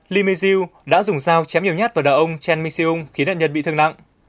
li mingzhu đã dùng dao chém nhiều nhát vào đàn ông chen mingxiong khiến đàn nhân bị thương nặng